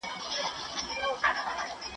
¬ کږه غاړه توره نه خوري.